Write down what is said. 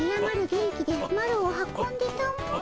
元気でマロを運んでたも。